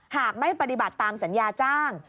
หากไม่ปฏิบัติตามสัญญาจ้าง